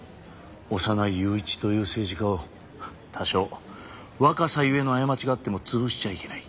小山内雄一という政治家を多少若さ故の過ちがあっても潰しちゃいけない。